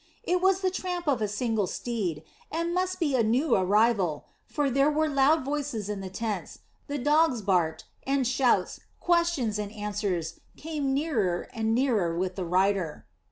It was the tramp of a single steed, and must be a new arrival; for there were loud voices in the tents, the dogs barked, and shouts, questions, and answers came nearer and nearer with the rider.